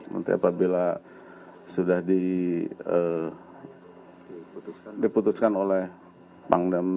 nanti apabila sudah diputuskan oleh pangdam